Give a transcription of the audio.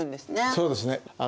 そうですね。